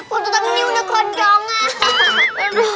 kalo utami ini udah kondongan